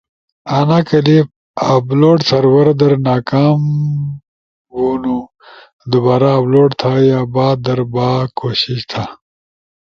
انا کلپ اپلوڈ سرور در ناکام ہون، دوبارا اپلوڈ تھا یا بعد در با کوشش تھا۔